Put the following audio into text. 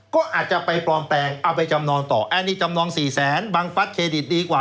ก็อาจจะไปปลอมแปลงเอาไปจำนองต่ออันนี้จำนองสี่แสนบังฟัสเครดิตดีกว่า